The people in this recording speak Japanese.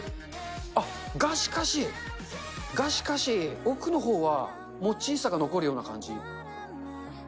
あっ、が、しかし、が、しかし、奥のほうはもっちりさが残るような感じ。